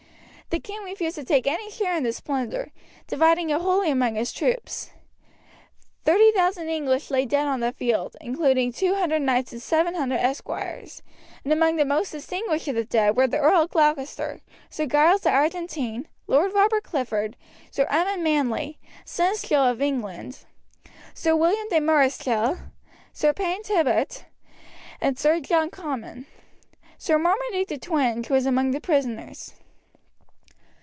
The king refused to take any share in this plunder, dividing it wholly among his troops. 30,000 English lay dead on the field, including 200 knights and 700 esquires, and among the most distinguished of the dead were the Earl of Gloucester, Sir Giles de Argentine, Lord Robert Clifford, Sir Edmund Manley, seneschal of England, Sir William de Mareschal, Sir Payne Tybtot, and Sir John Comyn. Sir Marmaduke de Twenge was among the prisoners.